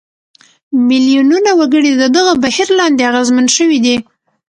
میلیونونه وګړي د دغه بهیر لاندې اغېزمن شوي دي.